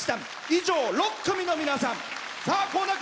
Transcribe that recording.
以上、６組の皆さん。